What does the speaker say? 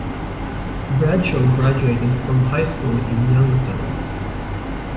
Bradshaw graduated from high school in Youngstown.